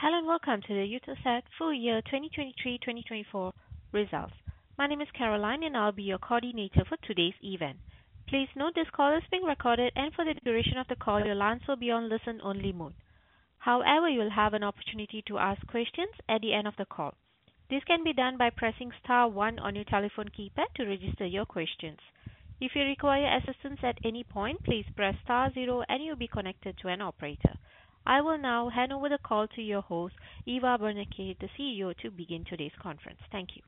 Hello, and welcome to the Eutelsat full year 2023, 2024 results. My name is Caroline, and I'll be your coordinator for today's event. Please note this call is being recorded and for the duration of the call, your lines will be on listen-only mode. However, you'll have an opportunity to ask questions at the end of the call. This can be done by pressing star one on your telephone keypad to register your questions. If you require assistance at any point, please press star zero and you'll be connected to an operator. I will now hand over the call to your host, Eva Berneke, the CEO, to begin today's conference. Thank you.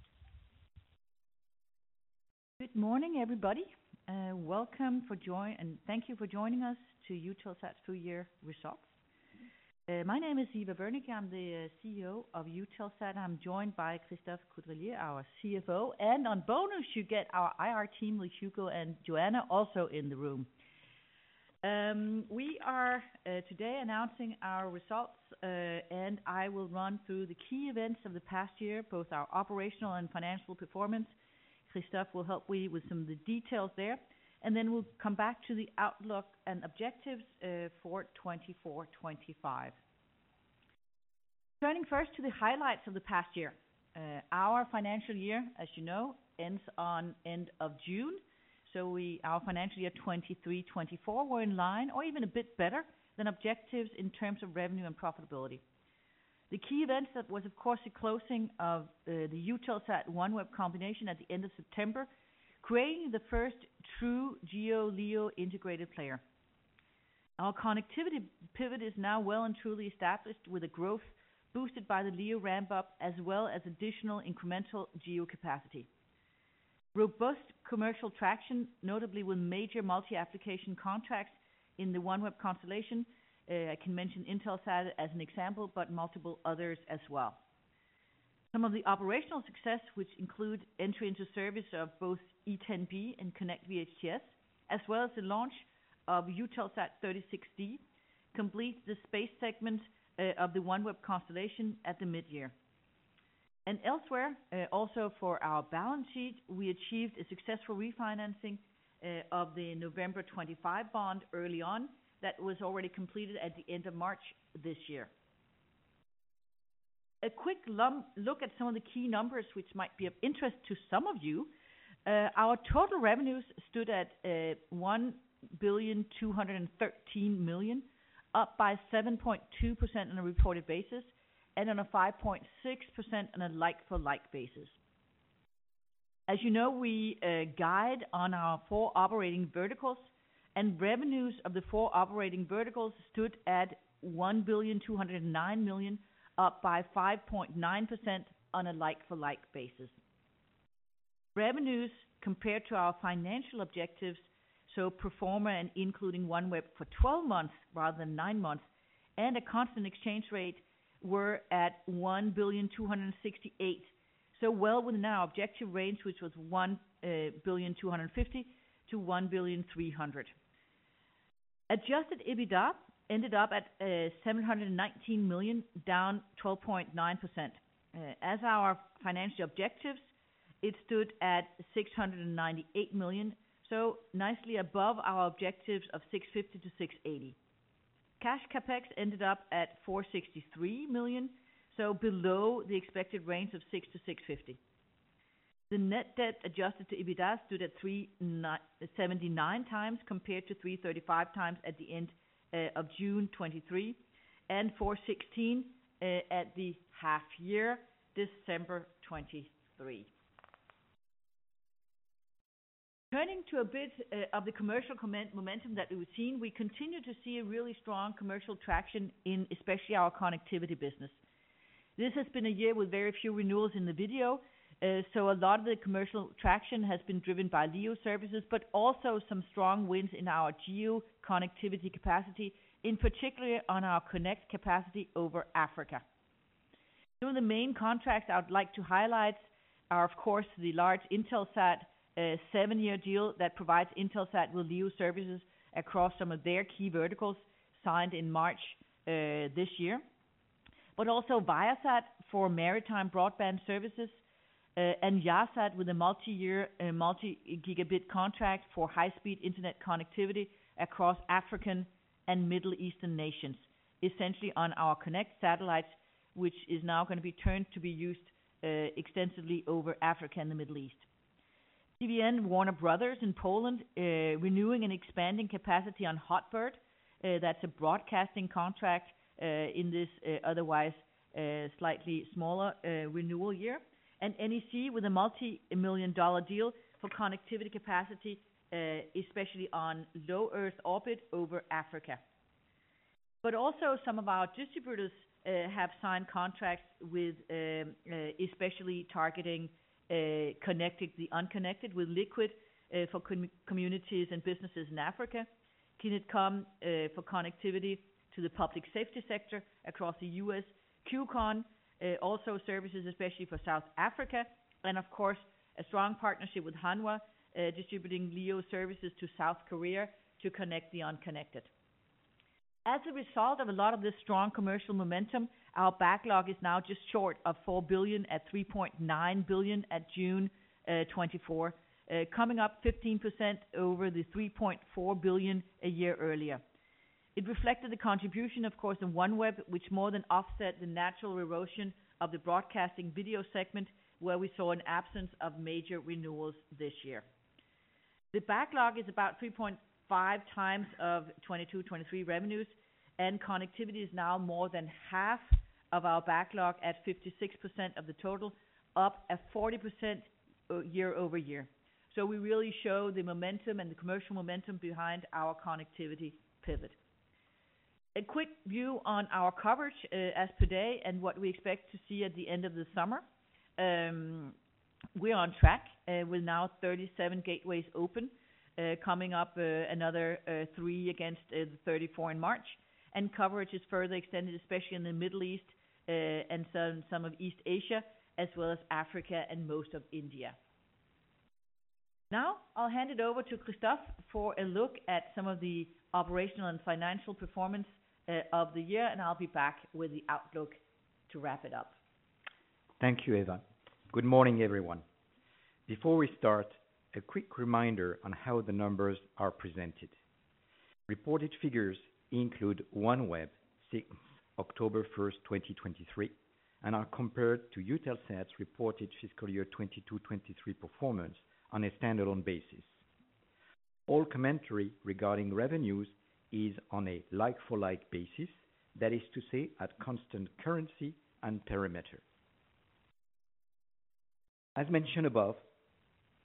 Good morning, everybody, and thank you for joining us for Eutelsat's full year results. My name is Eva Berneke. I'm the CEO of Eutelsat. I'm joined by Christophe Caudrelier, our CFO, and as a bonus, you get our IR team with Hugo and Joanna, also in the room. We are today announcing our results, and I will run through the key events of the past year, both our operational and financial performance. Christophe will help me with some of the details there, and then we'll come back to the outlook and objectives for 2024, 2025. Turning first to the highlights of the past year. Our financial year, as you know, ends at the end of June, so our financial year 2023, 2024, we're in line or even a bit better than objectives in terms of revenue and profitability. The key event that was, of course, the closing of the Eutelsat OneWeb combination at the end of September, creating the first true GEO-LEO integrated player. Our connectivity pivot is now well and truly established, with a growth boosted by the LEO ramp-up, as well as additional incremental GEO capacity. Robust commercial traction, notably with major multi-application contracts in the OneWeb constellation. I can mention Intelsat as an example, but multiple others as well. Some of the operational success, which include entry into service of both Eutelsat 10B and Eutelsat KONNECT VHTS, as well as the launch of Eutelsat 36D, completes the space segment of the OneWeb constellation at the midyear. Elsewhere, also for our balance sheet, we achieved a successful refinancing of the November 25 bond early on. That was already completed at the end of March this year. A quick look at some of the key numbers, which might be of interest to some of you. Our total revenues stood at 1,213 million, up by 7.2% on a reported basis, and on a 5.6% on a like-for-like basis. As you know, we guide on our four operating verticals, and revenues of the four operating verticals stood at 1,209 million, up by 5.9% on a like-for-like basis. Revenues compared to our financial objectives, so pro forma and including OneWeb for twelve months rather than nine months, and a constant exchange rate were at 1,268 million. So well within our objective range, which was 1,250 million-1,300 million. Adjusted EBITDA ended up at 719 million, down 12.9%. As our financial objectives, it stood at 698 million, so nicely above our objectives of 650 million-680 million. Cash CapEx ended up at 463 million, so below the expected range of 600 million-650 million. The net debt adjusted to EBITDA stood at 3.79x, compared to 3.35x at the end of June 2023, and 4.16x at the half year, December 2023. Turning to a bit of the commercial momentum that we've seen, we continue to see a really strong commercial traction in especially our connectivity business. This has been a year with very few renewals in the video, so a lot of the commercial traction has been driven by LEO services, but also some strong wins in our GEO connectivity capacity, in particular on our Konnect capacity over Africa. Some of the main contracts I would like to highlight are, of course, the large Intelsat seven-year deal that provides Intelsat with LEO services across some of their key verticals, signed in March this year. But also Viasat for maritime broadband services, and Yahsat with a multi-year multi-gigabit contract for high-speed internet connectivity across African and Middle Eastern nations, essentially on our Konnect satellites, which is now going to be turned to be used extensively over Africa and the Middle East. TVN Warner Bros. Discovery in Poland renewing and expanding capacity on HOTBIRD. That's a broadcasting contract in this otherwise slightly smaller renewal year. And NEC with a multi-million-dollar deal for connectivity capacity, especially on Low Earth orbit over Africa. But also some of our distributors have signed contracts with especially targeting connecting the unconnected with Liquid for communities and businesses in Africa. Kymeta for connectivity to the public safety sector across the U.S. Q-KON also services especially for South Africa, and of course, a strong partnership with Hanwha distributing LEO services to South Korea to connect the unconnected. As a result of a lot of this strong commercial momentum, our backlog is now just short of 4 billion at 3.9 billion at June 2024. Coming up 15% over the 3.4 billion a year earlier. It reflected the contribution, of course, of OneWeb, which more than offset the natural erosion of the broadcasting video segment, where we saw an absence of major renewals this year. The backlog is about 3.5x of 2022-2023 revenues, and connectivity is now more than half of our backlog, at 56% of the total, up at 40%, year-over-year. So we really show the momentum and the commercial momentum behind our connectivity pivot. A quick view on our coverage, as per day, and what we expect to see at the end of the summer. We are on track, with now 37 gateways open, coming up another three against the 34 in March. Coverage is further extended, especially in the Middle East, and some of East Asia, as well as Africa and most of India. Now, I'll hand it over to Christophe for a look at some of the operational and financial performance of the year, and I'll be back with the outlook to wrap it up. Thank you, Eva. Good morning, everyone. Before we start, a quick reminder on how the numbers are presented. Reported figures include OneWeb, since October 1, 2023, and are compared to Eutelsat's reported fiscal year 2022-2023 performance on a standalone basis. All commentary regarding revenues is on a like-for-like basis, that is to say, at constant currency and perimeter. As mentioned above,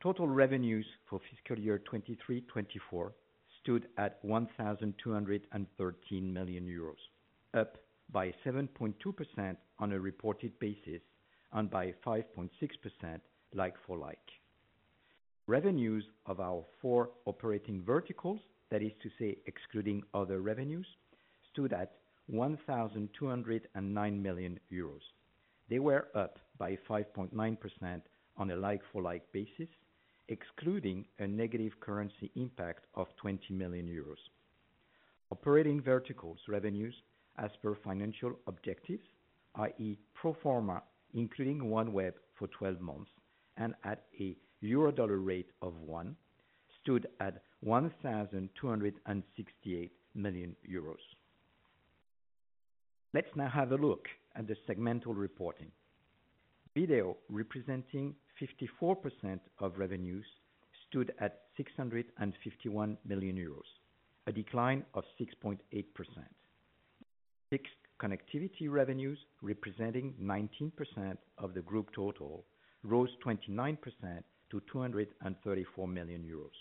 total revenues for fiscal year 2023-2024 stood at 1,213 million euros, up by 7.2% on a reported basis and by 5.6% like-for-like. Revenues of our four operating verticals, that is to say, excluding other revenues, stood at 1,209 million euros. They were up by 5.9% on a like-for-like basis, excluding a negative currency impact of 20 million euros. Operating verticals revenues as per financial objectives, i.e., pro forma, including OneWeb for 12 months and at a euro-dollar rate of one, stood at 1,268 million euros. Let's now have a look at the segmental reporting. Video, representing 54% of revenues, stood at 651 million euros, a decline of 6.8%. Fixed connectivity revenues, representing 19% of the group total, rose 29% to 234 million euros.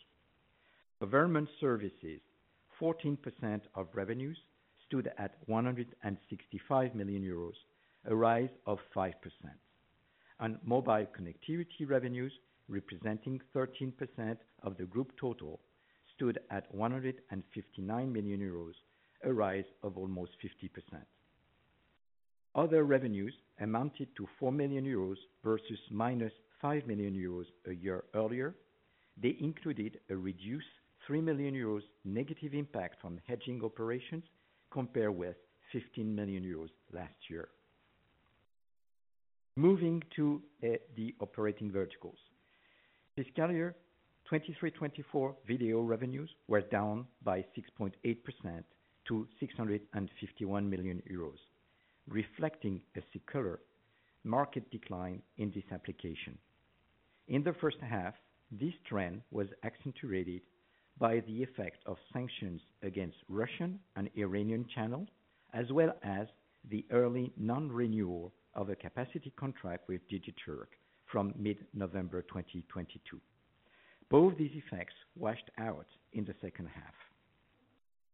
Government services, 14% of revenues, stood at 165 million euros, a rise of 5%. And mobile connectivity revenues, representing 13% of the group total, stood at 159 million euros, a rise of almost 50%. Other revenues amounted to 4 million euros versus -5 million euros a year earlier. They included a reduced 3 million euros negative impact from hedging operations, compared with 15 million euros last year. Moving to the operating verticals. Fiscal year 2023-2024 video revenues were down by 6.8% to 651 million euros, reflecting a secular market decline in this application. In the first half, this trend was accentuated by the effect of sanctions against Russian and Iranian channels, as well as the early non-renewal of a capacity contract with Digiturk from mid-November 2022. Both these effects washed out in the second half.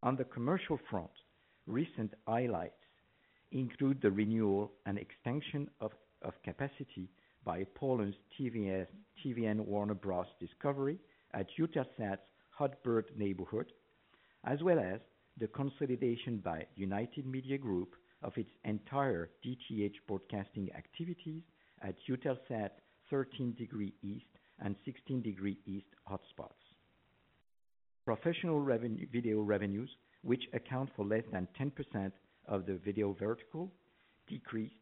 On the commercial front, recent highlights include the renewal and extension of, of capacity by Poland's TVN Warner Bros. Discovery at Eutelsat's Hotbird neighborhood, as well as the consolidation by United Media Group of its entire DTH broadcasting activities at Eutelsat's 13° East and 16° East hotspots. Professional revenue - video revenues, which account for less than 10% of the video vertical, decreased,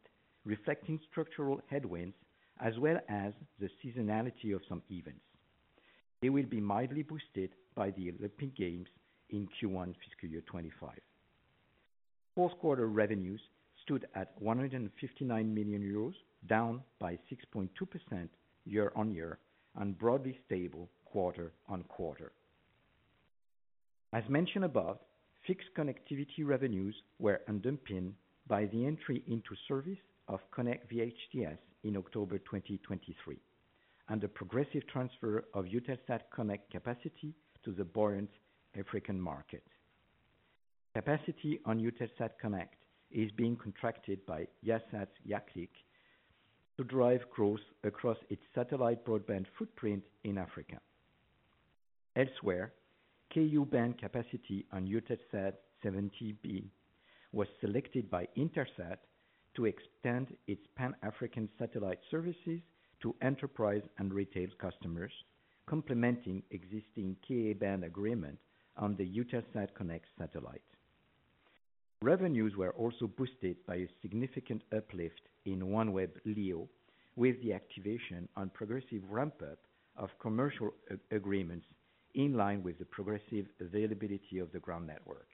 reflecting structural headwinds as well as the seasonality of some events. They will be mildly boosted by the Olympic Games in Q1 fiscal year 2025. Fourth quarter revenues stood at 159 million euros, down by 6.2% year-on-year, and broadly stable quarter-on-quarter. As mentioned above, fixed connectivity revenues were underpinned by the entry into service of Eutelsat KONNECT VHTS in October 2023, and the progressive transfer of Eutelsat KONNECT capacity to the buoyant African market. Capacity on Eutelsat KONNECT is being contracted by Yahsat's YahClick to drive growth across its satellite broadband footprint in Africa. Elsewhere, Ku-band capacity on Eutelsat 70B was selected by InterSAT to extend its Pan-African satellite services to enterprise and retail customers, complementing existing Ka-band agreement on the Eutelsat KONNECT satellite. Revenues were also boosted by a significant uplift in OneWeb LEO, with the activation and progressive ramp-up of commercial agreements in line with the progressive availability of the ground network.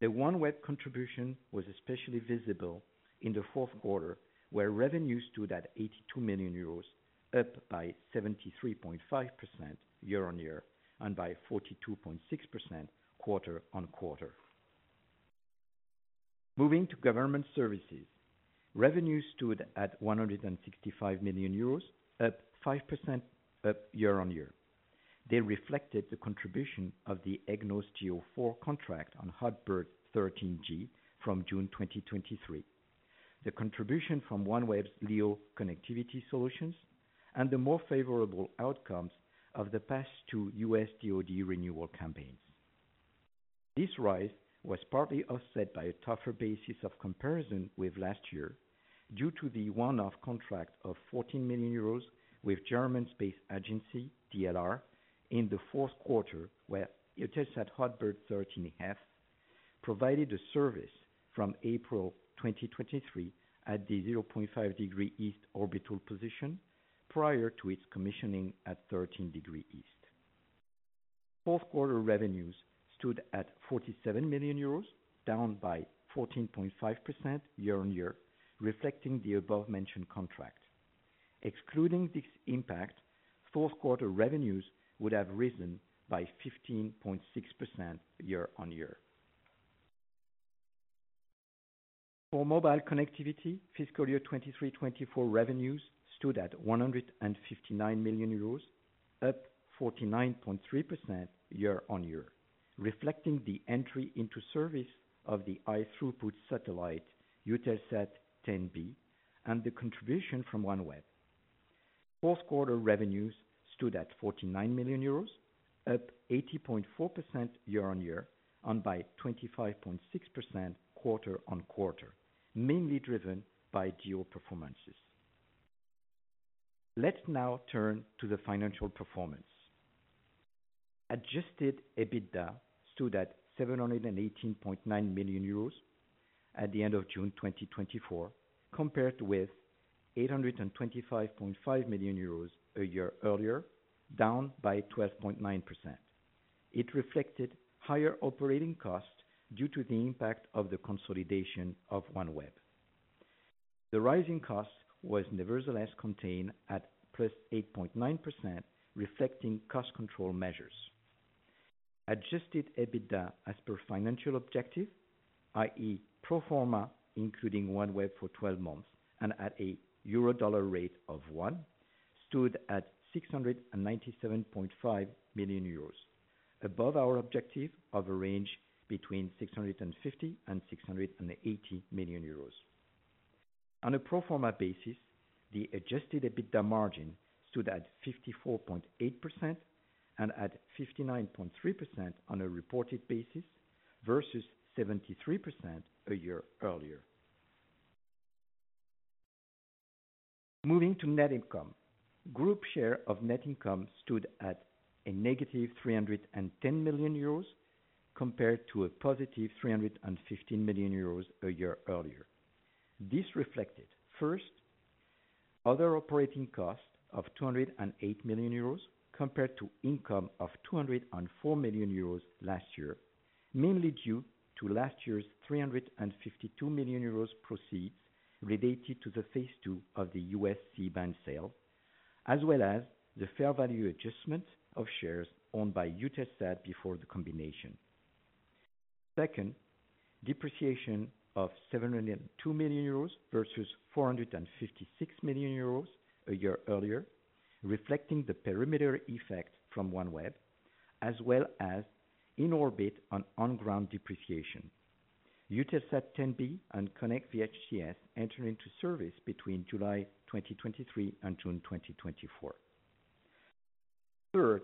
The OneWeb contribution was especially visible in the fourth quarter, where revenues stood at 82 million euros, up by 73.5% year-on-year, and by 42.6% quarter-on-quarter. Moving to government services, revenues stood at EUR 165 million, up 5% year-on-year. They reflected the contribution of the EGNOS GEO-4 contract on HOTBIRD 13G from June 2023. The contribution from OneWeb's LEO connectivity solutions, and the more favorable outcomes of the past two US DoD renewal campaigns. This rise was partly offset by a tougher basis of comparison with last year, due to the one-off contract of 14 million euros with German Space Agency, DLR, in the fourth quarter, where Eutelsat HOTBIRD 13F provided a service from April 2023 at the 0.5 degree east orbital position, prior to its commissioning at 13 degree east. Fourth quarter revenues stood at 47 million euros, down by 14.5% year-on-year, reflecting the above-mentioned contract. Excluding this impact, fourth quarter revenues would have risen by 15.6% year-on-year. For mobile connectivity, fiscal year 2023-2024 revenues stood at 159 million euros, up 49.3% year-on-year, reflecting the entry into service of the high-throughput satellite, Eutelsat 10B, and the contribution from OneWeb. Fourth quarter revenues stood at 49 million euros, up 80.4% year-on-year, and by 25.6% quarter-on-quarter, mainly driven by GEO performances. Let's now turn to the financial performance. Adjusted EBITDA stood at 718.9 million euros at the end of June 2024, compared with 825.5 million euros a year earlier, down by 12.9%. It reflected higher operating costs due to the impact of the consolidation of OneWeb. The rising cost was nevertheless contained at +8.9%, reflecting cost control measures. Adjusted EBITDA, as per financial objective, i.e., pro forma, including OneWeb for twelve months and at a euro-dollar rate of one, stood at 697.5 million euros, above our objective of a range between 650 million and 680 million euros. On a pro forma basis, the adjusted EBITDA margin stood at 54.8% and at 59.3% on a reported basis versus 73% a year earlier. Moving to net income. Group share of net income stood at a -310 million euros, compared to a +315 million euros a year earlier. This reflected, first, other operating costs of 208 million euros compared to income of 204 million euros last year, mainly due to last year's 352 million euros proceeds related to the phase two of the U.S. C-band sale, as well as the fair value adjustments of shares owned by Eutelsat before the combination. Second, depreciation of 702 million euros versus 456 million euros a year earlier, reflecting the perimeter effect from OneWeb, as well as in orbit and on-ground depreciation. Eutelsat 10B and Konnect VHTS entered into service between July 2023 and June 2024. Third,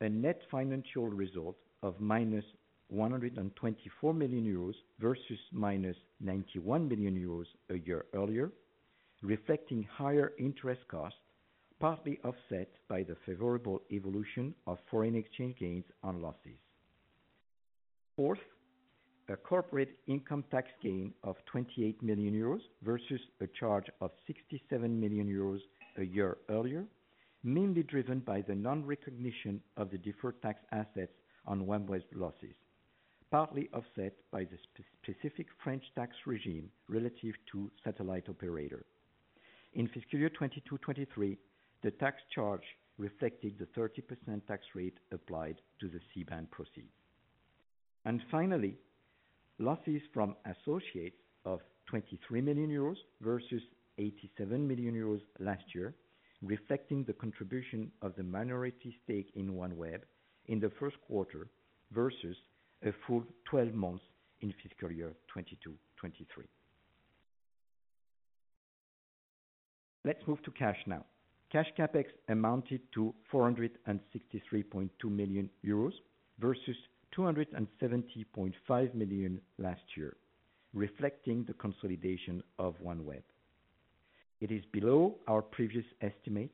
a net financial result of -124 million euros versus -91 million euros a year earlier, reflecting higher interest costs, partly offset by the favorable evolution of foreign exchange gains and losses. Fourth, a corporate income tax gain of 28 million euros versus a charge of 67 million euros a year earlier, mainly driven by the non-recognition of the deferred tax assets on OneWeb's losses, partly offset by the specific French tax regime relative to satellite operator. In fiscal year 2022, 2023, the tax charge reflected the 30% tax rate applied to the C-band proceeds. And finally, losses from associates of 23 million euros versus 87 million euros last year, reflecting the contribution of the minority stake in OneWeb in the first quarter versus a full 12 months in fiscal year 2022-2023. Let's move to cash now. Cash CapEx amounted to 463.2 million euros versus 270.5 million last year, reflecting the consolidation of OneWeb. It is below our previous estimates,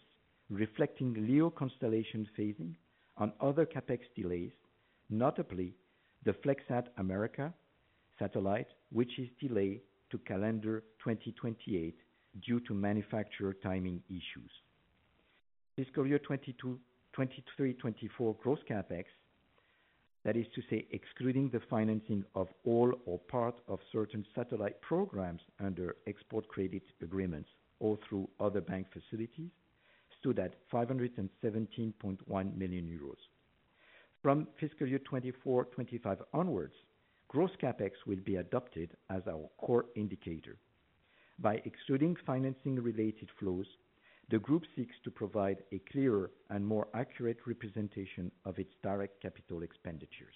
reflecting LEO constellation phasing on other CapEx delays, notably the Flexsat America satellite, which is delayed to calendar 2028 due to manufacturer timing issues. Fiscal year 2022-2023-2024 gross CapEx, that is to say, excluding the financing of all or part of certain satellite programs under export credit agreements or through other bank facilities, stood at 517.1 million euros. From fiscal year 2024-2025 onwards, gross CapEx will be adopted as our core indicator. By excluding financing-related flows, the group seeks to provide a clearer and more accurate representation of its direct capital expenditures.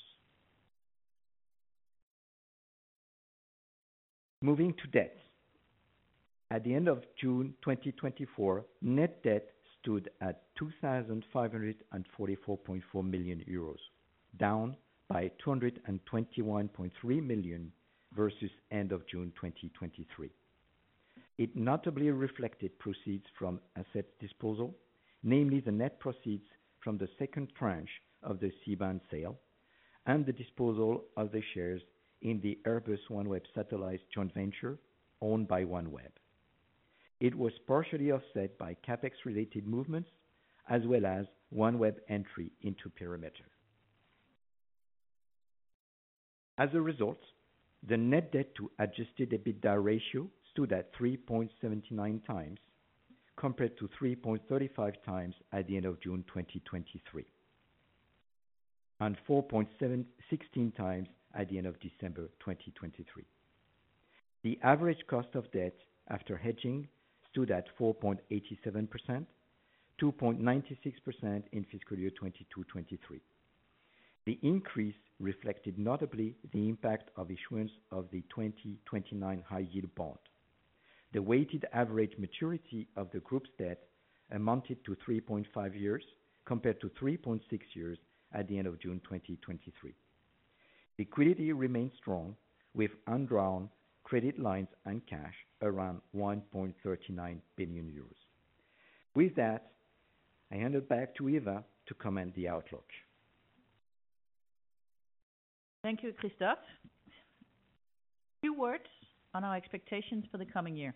Moving to debt. At the end of June 2024, net debt stood at 2,544.4 million euros, down by 221.3 million versus end of June 2023. It notably reflected proceeds from asset disposal, namely the net proceeds from the second tranche of the C-band sale and the disposal of the shares in the Airbus OneWeb Satellite joint venture owned by OneWeb. It was partially offset by CapEx-related movements, as well as OneWeb entry into perimeter. As a result, the net debt to adjusted EBITDA ratio stood at 3.79x, compared to 3.35x at the end of June 2023, and 4.16x at the end of December 2023. The average cost of debt after hedging stood at 4.87%, 2.96% in fiscal year 2022-2023. The increase reflected notably the impact of issuance of the 2029 high-yield bond. The weighted average maturity of the group's debt amounted to 3.5 years, compared to 3.6 years at the end of June 2023. Liquidity remains strong, with undrawn credit lines and cash around 1.39 billion euros. With that, I hand it back to Eva to comment the outlook. Thank you, Christophe. A few words on our expectations for the coming year.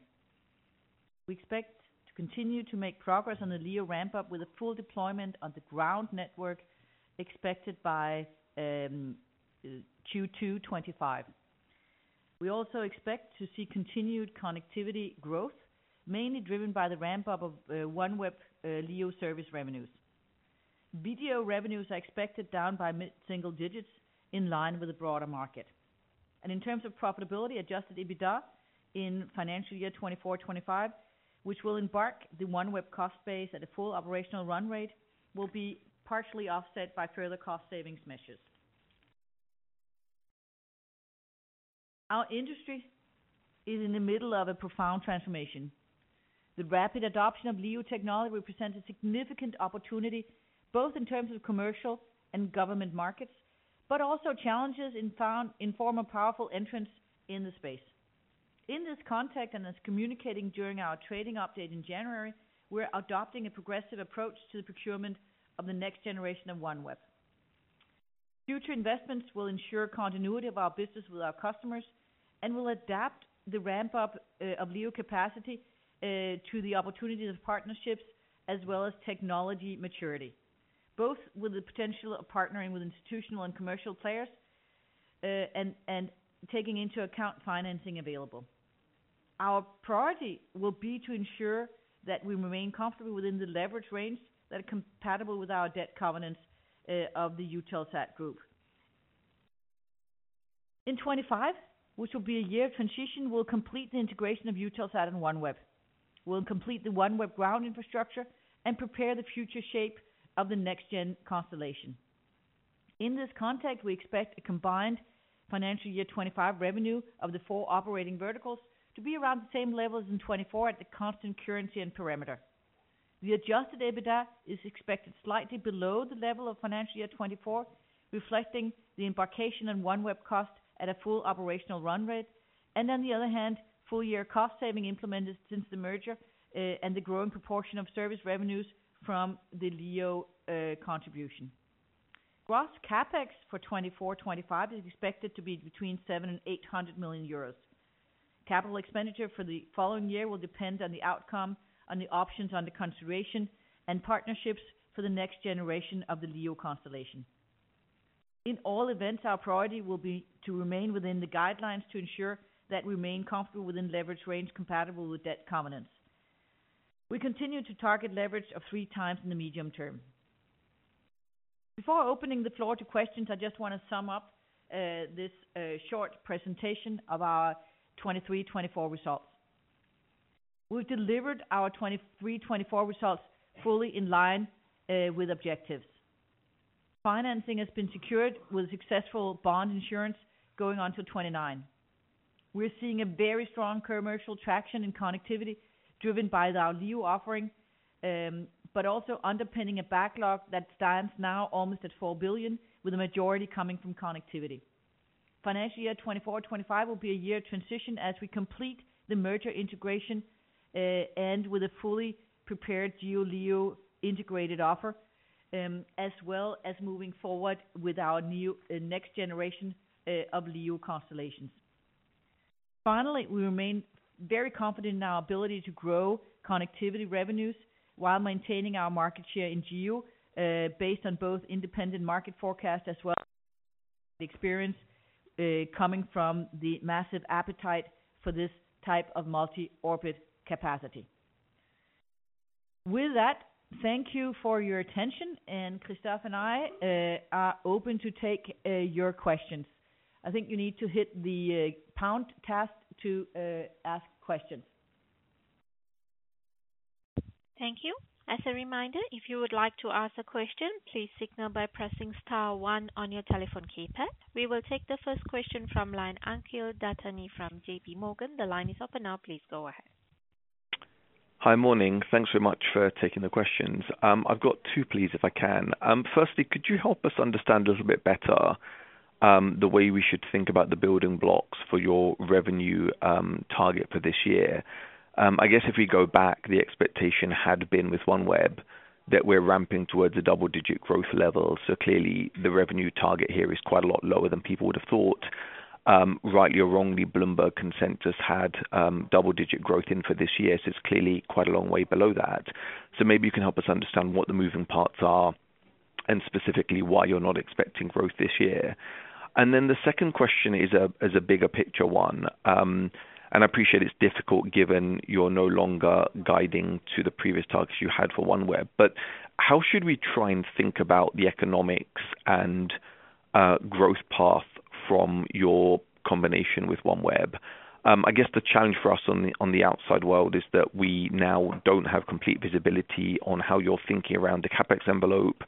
We expect to continue to make progress on the LEO ramp-up, with a full deployment on the ground network expected by Q2 2025. We also expect to see continued connectivity growth, mainly driven by the ramp-up of OneWeb LEO service revenues. Video revenues are expected down by mid-single digits, in line with the broader market. And in terms of profitability, adjusted EBITDA in financial year 2024-2025, which will include the OneWeb cost base at a full operational run rate, will be partially offset by further cost savings measures. Our industry is in the middle of a profound transformation. The rapid adoption of LEO technology represents a significant opportunity, both in terms of commercial and government markets, but also challenges in the form of powerful entrants in the space. In this context, and as communicating during our trading update in January, we're adopting a progressive approach to the procurement of the next generation of OneWeb. Future investments will ensure continuity of our business with our customers, and will adapt the ramp-up of LEO capacity to the opportunities of partnerships as well as technology maturity, both with the potential of partnering with institutional and commercial players, and taking into account financing available. Our priority will be to ensure that we remain comfortable within the leverage range that are compatible with our debt covenants of the Eutelsat Group. In 2025, which will be a year of transition, we'll complete the integration of Eutelsat and OneWeb. We'll complete the OneWeb ground infrastructure and prepare the future shape of the next-gen constellation. In this context, we expect a combined financial year 2025 revenue of the four operating verticals to be around the same level as in 2024 at the constant currency and perimeter. The adjusted EBITDA is expected slightly below the level of financial year 2024, reflecting the embarkation on OneWeb cost at a full operational run rate, and on the other hand, full year cost saving implemented since the merger, and the growing proportion of service revenues from the LEO contribution. Gross CapEx for 2024-2025 is expected to be between 700 million and 800 million euros. Capital expenditure for the following year will depend on the outcome and the options under consideration and partnerships for the next generation of the LEO constellation. In all events, our priority will be to remain within the guidelines to ensure that we remain comfortable within leverage range compatible with debt covenants. We continue to target leverage of 3x in the medium term. Before opening the floor to questions, I just want to sum up this short presentation of our 2023-2024 results. We've delivered our 2023-2024 results fully in line with objectives. Financing has been secured with successful bond issuance going on to 2029. We're seeing a very strong commercial traction in connectivity, driven by our new offering, but also underpinning a backlog that stands now almost at 4 billion, with the majority coming from connectivity. Financial year 2024-2025 will be a year of transition as we complete the merger integration, and with a fully prepared GEO-LEO integrated offer, as well as moving forward with our new, next generation, of LEO constellations. Finally, we remain very confident in our ability to grow connectivity revenues while maintaining our market share in GEO, based on both independent market forecast as well the experience, coming from the massive appetite for this type of multi-orbit capacity. With that, thank you for your attention, and Christophe and I are open to take your questions. I think you need to hit the pound key to ask questions. Thank you. As a reminder, if you would like to ask a question, please signal by pressing star one on your telephone keypad. We will take the first question from the line of Akhil Dattani from JPMorgan. The line is open now, please go ahead. Hi, morning. Thanks very much for taking the questions. I've got two, please, if I can. Firstly, could you help us understand a little bit better, the way we should think about the building blocks for your revenue, target for this year? I guess if we go back, the expectation had been with OneWeb, that we're ramping towards a double digit growth level. So clearly the revenue target here is quite a lot lower than people would have thought. Rightly or wrongly, Bloomberg consensus had double digit growth in for this year. So it's clearly quite a long way below that. So maybe you can help us understand what the moving parts are, and specifically, why you're not expecting growth this year. And then the second question is a bigger picture one. And I appreciate it's difficult given you're no longer guiding to the previous targets you had for OneWeb, but how should we try and think about the economics and growth path from your combination with OneWeb? I guess the challenge for us on the outside world is that we now don't have complete visibility on how you're thinking around the CapEx envelope,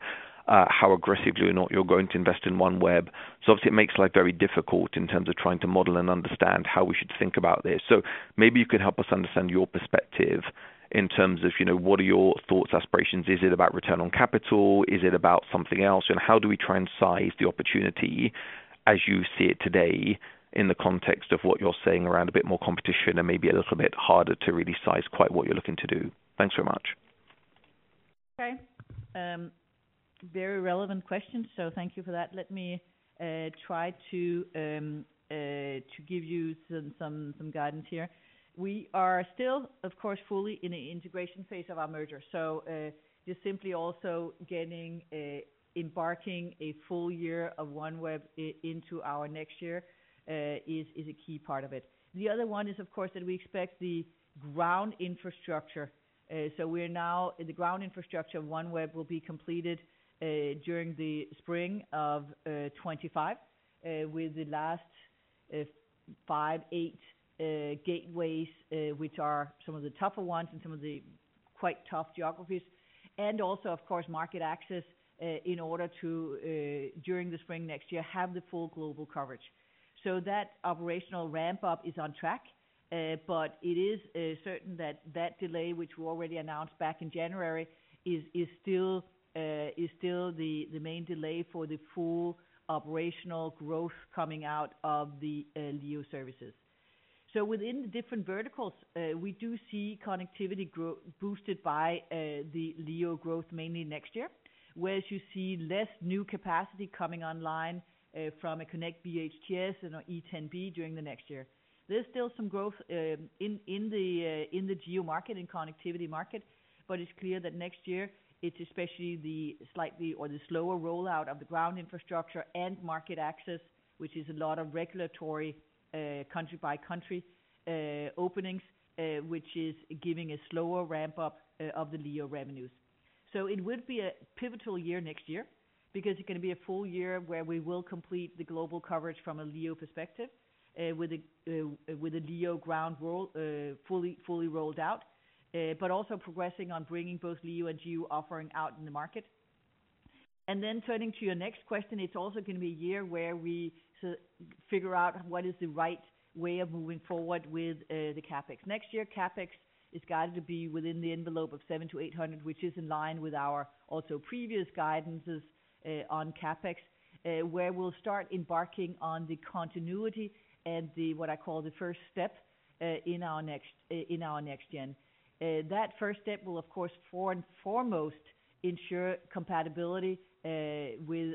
how aggressively or not you're going to invest in OneWeb. So obviously it makes life very difficult in terms of trying to model and understand how we should think about this. So maybe you can help us understand your perspective in terms of, you know, what are your thoughts, aspirations, is it about return on capital? Is it about something else? How do we try and size the opportunity as you see it today, in the context of what you're saying around a bit more competition and maybe a little bit harder to really size quite what you're looking to do? Thanks very much. Okay. Very relevant questions, so thank you for that. Let me try to give you some guidance here. We are still, of course, fully in an integration phase of our merger. So, just simply also getting embarking a full year of OneWeb into our next year is a key part of it. The other one is, of course, that we expect the ground infrastructure. The ground infrastructure of OneWeb will be completed during the spring of 2025 with the last five to eight gateways, which are some of the tougher ones and some of the quite tough geographies. And also, of course, market access in order to during the spring next year have the full global coverage. So that operational ramp up is on track, but it is certain that that delay, which we already announced back in January, is still the main delay for the full operational growth coming out of the LEO services. So within the different verticals, we do see connectivity growth boosted by the LEO growth, mainly next year. Whereas you see less new capacity coming online from Konnect VHTS and E10B during the next year. There's still some growth in the GEO market, in connectivity market, but it's clear that next year it's especially the slight or the slower rollout of the ground infrastructure and market access, which is a lot of regulatory country by country openings, which is giving a slower ramp up of the LEO revenues. So it would be a pivotal year next year, because it's gonna be a full year where we will complete the global coverage from a LEO perspective, with a, with a LEO ground roll, fully, fully rolled out, but also progressing on bringing both LEO and GEO offering out in the market. And then turning to your next question, it's also gonna be a year where we figure out what is the right way of moving forward with, the CapEx. Next year, CapEx is guided to be within the envelope of 700-800, which is in line with our also previous guidances, on CapEx, where we'll start embarking on the continuity and the, what I call the first step, in our next, in our next gen. That first step will, of course, foremost ensure compatibility with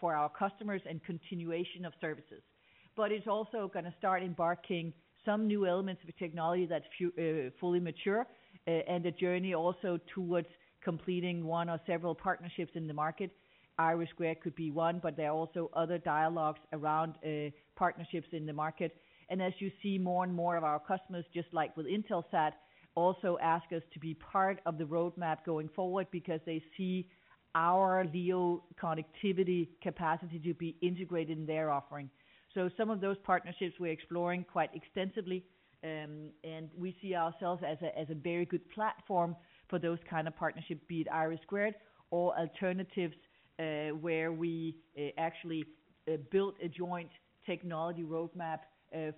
for our customers and continuation of services. But it's also gonna start embarking some new elements of a technology that's fully mature, and a journey also towards completing one or several partnerships in the market. IRIS² could be one, but there are also other dialogues around partnerships in the market. And as you see, more and more of our customers, just like with Intelsat, also ask us to be part of the roadmap going forward, because they see our LEO connectivity capacity to be integrated in their offering. So some of those partnerships we're exploring quite extensively, and we see ourselves as a very good platform for those kind of partnerships, be it IRIS² or alternatives, where we actually built a joint technology roadmap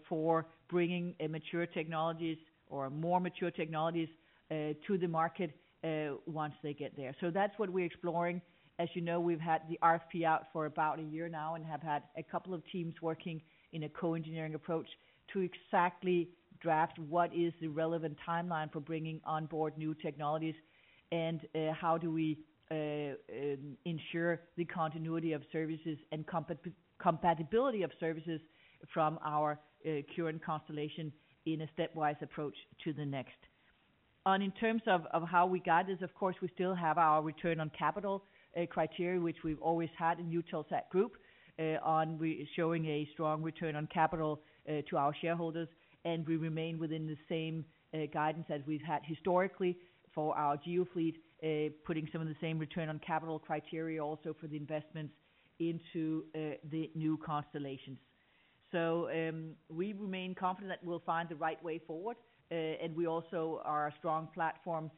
for bringing mature technologies or more mature technologies to the market once they get there. So that's what we're exploring. As you know, we've had the RFP out for about a year now and have had a couple of teams working in a co-engineering approach to exactly draft what is the relevant timeline for bringing on board new technologies, and how do we ensure the continuity of services and compatibility of services from our current constellation in a stepwise approach to the next? In terms of how we got this, of course, we still have our return on capital criteria, which we've always had in Eutelsat Group, on ensuring a strong return on capital to our shareholders, and we remain within the same guidance as we've had historically for our GEO fleet, putting some of the same return on capital criteria also for the investments into the new constellations. So, we remain confident that we'll find the right way forward. And we also are a strong platform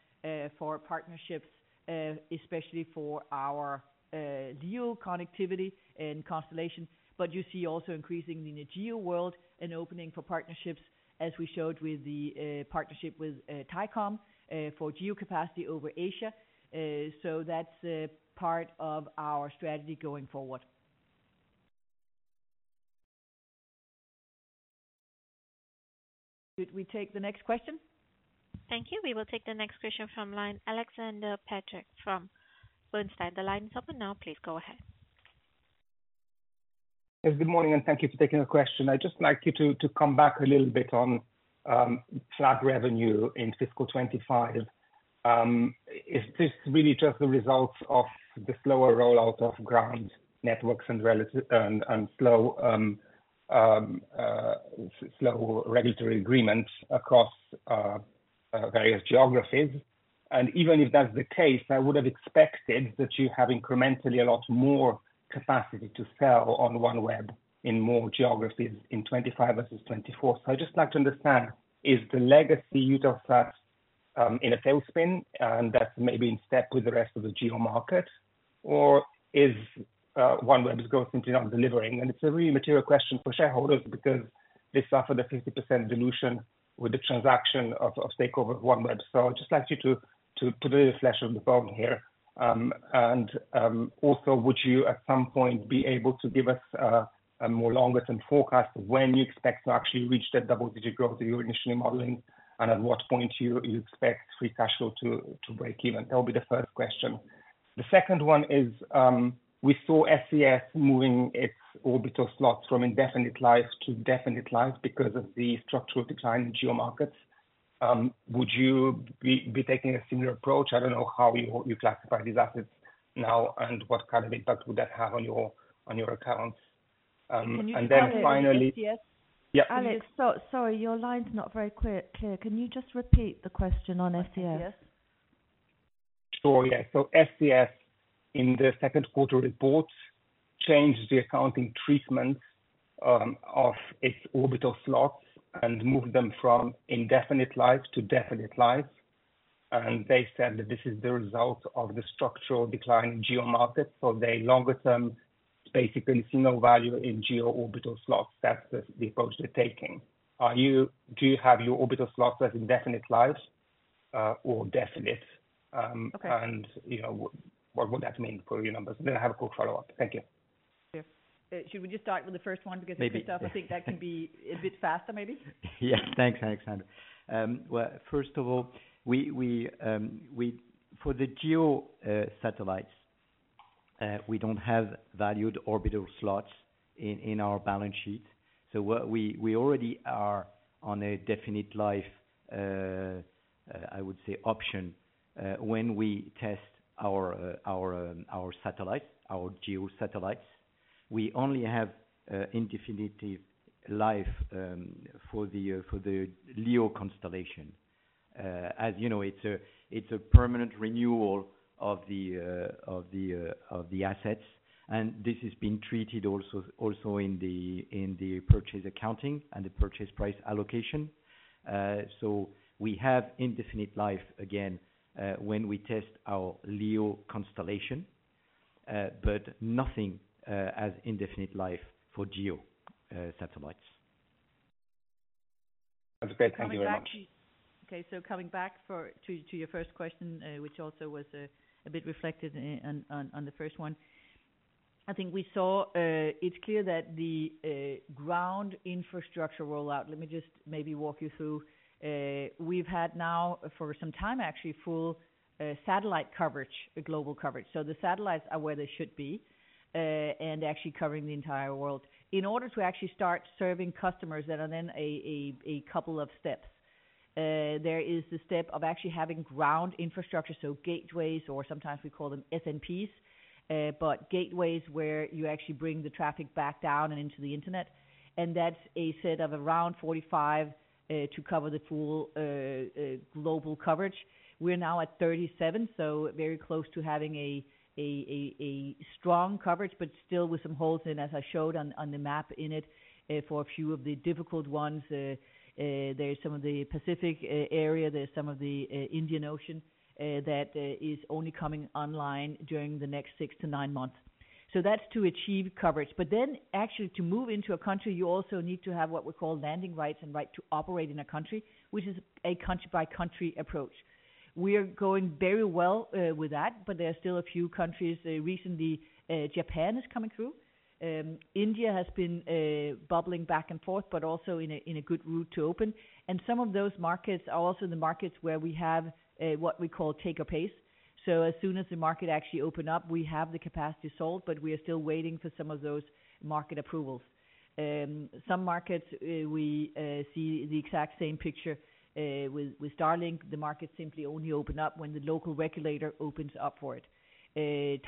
for partnerships, especially for our LEO connectivity and constellations. But you see also increasingly in the GEO world, an opening for partnerships, as we showed with the partnership with Thaicom for GEO capacity over Asia. So that's a part of our strategy going forward. Could we take the next question? Thank you. We will take the next question from line, Alexander Peterc from Bernstein. The line is open now, please go ahead. Yes, good morning, and thank you for taking the question. I'd just like you to come back a little bit on flat revenue in fiscal 2025. Is this really just the result of the slower rollout of ground networks and relative-- and slow regulatory agreements across various geographies? And even if that's the case, I would've expected that you have incrementally a lot more capacity to sell on OneWeb in more geographies in 2025 versus 2024. So I'd just like to understand, is the legacy use of flats in a sales spin, and that's maybe in step with the rest of the GEO market? Or is OneWeb just going to simply not delivering? And it's a really material question for shareholders because they suffered a 50% dilution with the transaction of takeover of OneWeb. So I'd just like you to flesh out the problem here. And also, would you, at some point, be able to give us a longer-term forecast of when you expect to actually reach that double-digit growth that you were initially modeling, and at what point you expect free cash flow to break even? That will be the first question. The second one is, we saw SES moving its orbital slots from indefinite life to definite life because of the structural decline in geo markets. Would you be taking a similar approach? I don't know how you classify these assets now and what kind of impact would that have on your accounts. And then finally. Alex, so sorry, your line's not very clear. Can you just repeat the question on SES? Sure, yeah. So SES, in the second quarter reports, changed the accounting treatment of its orbital slots and moved them from indefinite life to definite life. And they said that this is the result of the structural decline in geo markets. So the longer term, it's basically no value in geo orbital slots. That's the approach they're taking. Are you-- do you have your orbital slots as indefinite life, or definite? You know, what would that mean for your numbers? Then I have a quick follow-up. Thank you. Yeah. Should we just start with the first one, because I think that can be a bit faster, maybe. Yeah, thanks, Alexander. Well, first of all, we for the GEO satellites we don't have valued orbital slots in our balance sheet. So what we already are on a definite life I would say option when we test our satellites, our GEO satellites. We only have indefinite life for the LEO constellation. As you know, it's a permanent renewal of the assets, and this is being treated also in the purchase accounting and the purchase price allocation. So we have indefinite life, again, when we test our LEO constellation, but nothing as indefinite life for GEO satellites. That's great. Thank you very much. Okay, so coming back to your first question, which also was a bit reflected in the first one. I think we saw, it's clear that the ground infrastructure rollout. Let me just maybe walk you through. We've had now, for some time actually, full satellite coverage, a global coverage. So the satellites are where they should be, and actually covering the entire world. In order to actually start serving customers that are then a couple of steps, there is the step of actually having ground infrastructure, so gateways, or sometimes we call them SNPs. But gateways where you actually bring the traffic back down and into the internet, and that's a set of around 45 to cover the full global coverage. We're now at 37, so very close to having a strong coverage, but still with some holes in, as I showed on the map in it. For a few of the difficult ones, there's some of the Pacific area, there's some of the Indian Ocean that is only coming online during the next six to nine months. So that's to achieve coverage. But then actually to move into a country, you also need to have what we call landing rights and right to operate in a country, which is a country-by-country approach. We are going very well with that, but there are still a few countries. Recently, Japan is coming through. India has been bubbling back and forth, but also in a good route to open. And some of those markets are also the markets where we have what we call take-or-pay. So as soon as the market actually opens up, we have the capacity to sell, but we are still waiting for some of those market approvals. Some markets we see the exact same picture with Starlink; the market simply only opens up when the local regulator opens up for it.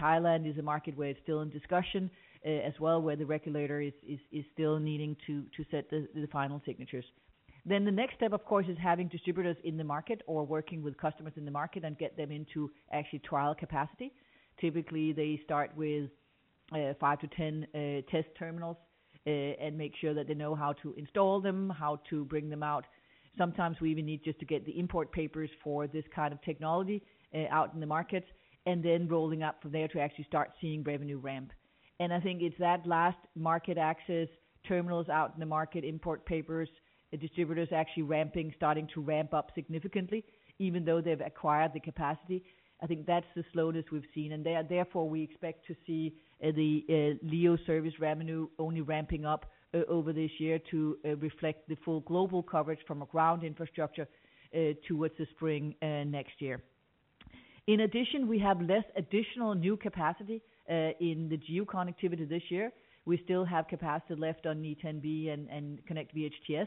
Thailand is a market where it's still in discussion as well, where the regulator is still needing to set the final signatures. Then the next step, of course, is having distributors in the market or working with customers in the market and get them into actual trial capacity. Typically, they start with five to 10 test terminals and make sure that they know how to install them, how to bring them out. Sometimes we even need just to get the import papers for this kind of technology out in the market, and then rolling out from there to actually start seeing revenue ramp. And I think it's that last market access terminals out in the market, import papers, the distributors actually ramping, starting to ramp up significantly, even though they've acquired the capacity. I think that's the slowness we've seen, and they are therefore we expect to see the LEO service revenue only ramping up over this year to reflect the full global coverage from a ground infrastructure towards the spring next year. In addition, we have less additional new capacity in the GEO connectivity this year. We still have capacity left on Eutelsat 10B and Eutelsat KONNECT VHTS,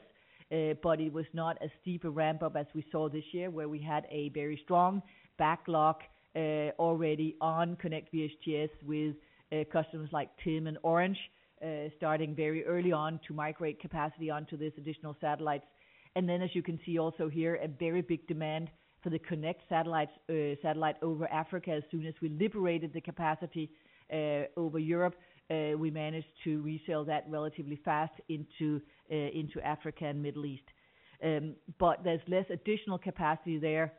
but it was not as steep a ramp up as we saw this year, where we had a very strong backlog, already on Eutelsat KONNECT VHTS with customers like TIM and Orange. Starting very early on to migrate capacity onto this additional satellites. And then, as you can see also here, a very big demand for the Eutelsat KONNECT satellites, satellite over Africa. As soon as we liberated the capacity, over Europe, we managed to resell that relatively fast into Africa and Middle East. But there's less additional capacity there,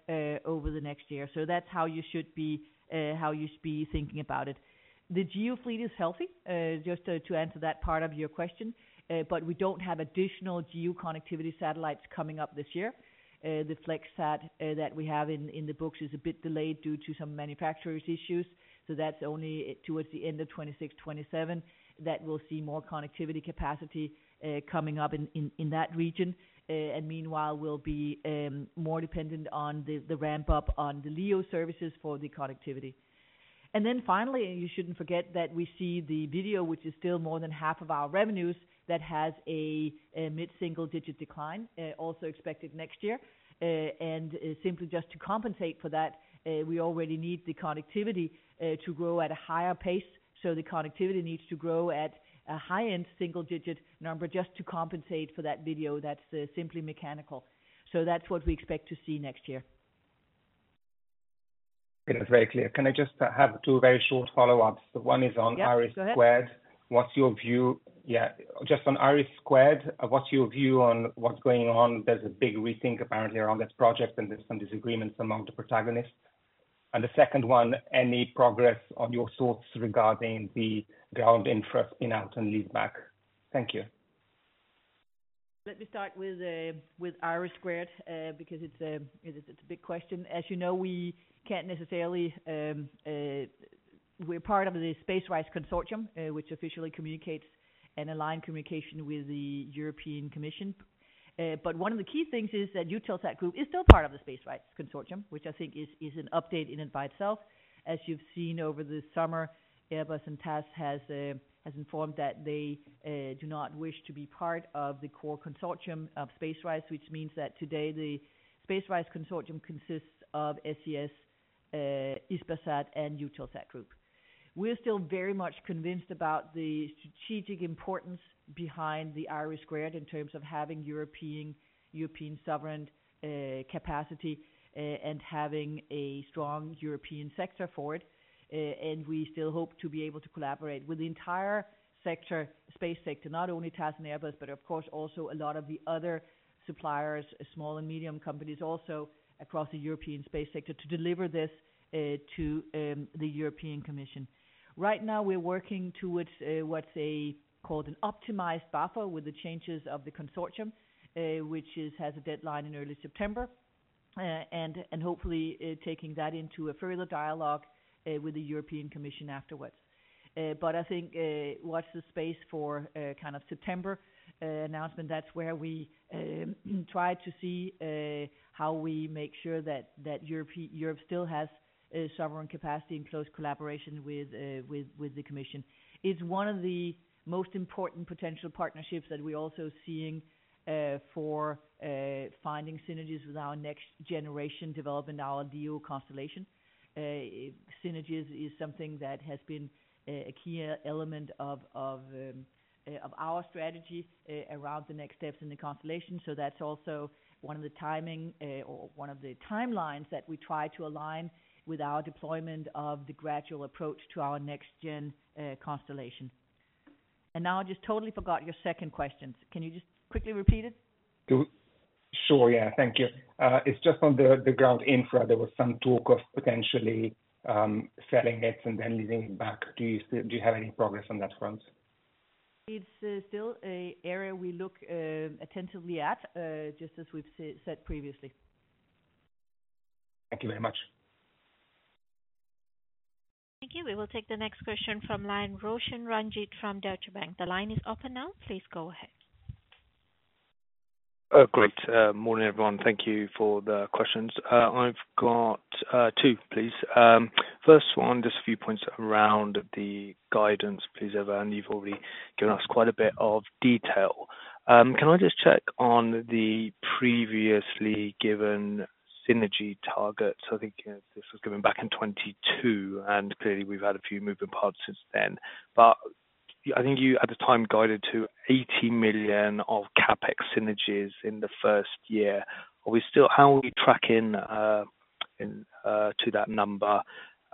over the next year. So that's how you should be thinking about it. The GEO fleet is healthy, just to answer that part of your question, but we don't have additional GEO connectivity satellites coming up this year. The Flexsat that we have in the books is a bit delayed due to some manufacturer's issues, so that's only towards the end of 2026, 2027, that we'll see more connectivity capacity coming up in that region. Meanwhile, we'll be more dependent on the ramp up on the LEO services for the connectivity. Then finally, you shouldn't forget that we see the video, which is still more than half of our revenues, that has a mid-single-digit decline also expected next year. Simply just to compensate for that, we already need the connectivity to grow at a higher pace. So the connectivity needs to grow at a high-end single digit number, just to compensate for that video that's simply mechanical. So that's what we expect to see next year. It is very clear. Can I just have two very short follow-ups? Yep, go ahead. On is on IRIS². What's your view? Yeah, just on IRIS², what's your view on what's going on? There's a big rethink, apparently, around this project, and there's some disagreements among the protagonists. And the second one, any progress on your thoughts regarding the ground infrastructure and sale and leaseback? Thank you. Let me start with IRIS² because it's a big question. As you know, we can't necessarily we're part of the SpaceRISE Consortium, which officially communicates an aligned communication with the European Commission. But one of the key things is that Eutelsat Group is still part of the SpaceRISE Consortium, which I think is an update in and by itself. As you've seen over the summer, Airbus and TAS has informed that they do not wish to be part of the core consortium of SpaceRISE, which means that today the SpaceRISE Consortium consists of SES, Hispasat and Eutelsat Group. We're still very much convinced about the strategic importance behind the IRIS², in terms of having European sovereign capacity, and having a strong European sector for it. And we still hope to be able to collaborate with the entire sector, space sector, not only TAS and Airbus, but of course, also a lot of the other suppliers, small and medium companies, also across the European space sector, to deliver this to the European Commission. Right now, we're working towards what they called an optimized buffer with the changes of the consortium, which has a deadline in early September. And hopefully, taking that into a further dialogue with the European Commission afterwards. But I think watch this space for kind of September announcement. That's where we try to see how we make sure that Europe still has a sovereign capacity in close collaboration with the commission. is one of the most important potential partnerships that we're also seeing for finding synergies with our next generation, developing our LEO constellation. Synergies is something that has been a key element of our strategy around the next steps in the constellation. So that's also one of the timing or one of the timelines that we try to align with our deployment of the gradual approach to our next gen constellation. And now I just totally forgot your second question. Can you just quickly repeat it? Sure. Yeah. Thank you. It's just on the ground infra. There was some talk of potentially selling it and then leasing it back. Do you still have any progress on that front? It's still an area we look attentively at, just as we've said previously. Thank you very much. Thank you. We will take the next question from line of Roshan Ranjit, from Deutsche Bank. The line is open now, please go ahead. Oh, great. Morning, everyone. Thank you for the questions. I've got two, please. First one, just a few points around the guidance, please, Eva, and you've already given us quite a bit of detail. Can I just check on the previously given synergy targets? I think this was given back in 2022, and clearly we've had a few moving parts since then. But I think you, at the time, guided to 80 million of CapEx synergies in the first year. Are we still tracking? How are we tracking into that number?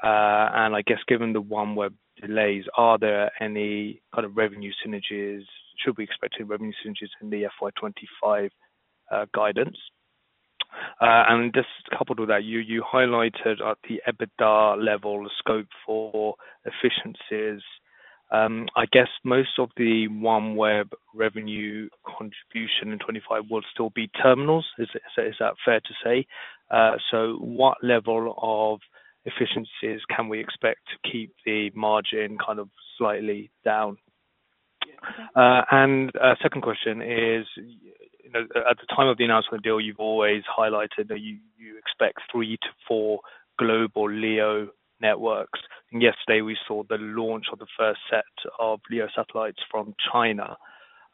And I guess given the OneWeb delays, are there any kind of revenue synergies? Should we expect any revenue synergies in the FY 2025 guidance? And just coupled with that, you, you highlighted at the EBITDA level, the scope for efficiencies. I guess most of the OneWeb revenue contribution in 2025 will still be terminals. Is it, is that fair to say? So what level of efficiencies can we expect to keep the margin kind of slightly down? And second question is, you know, at the time of the announcement deal, you've always highlighted that you expect three to four global LEO networks, and yesterday we saw the launch of the first set of LEO satellites from China.